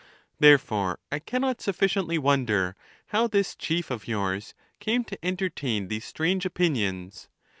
Therefore I cannot sufficiently wonder how this chief of yours came to entertain these strange opinions.